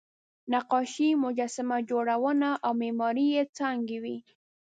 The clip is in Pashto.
نقاشي، مجسمه جوړونه او معماري یې څانګې وې.